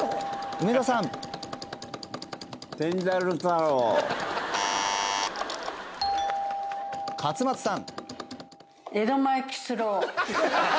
梅田さん勝又さん